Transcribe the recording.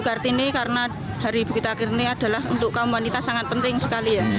kartini karena hari ibu kita akhirnya adalah untuk kaum wanita sangat penting sekali ya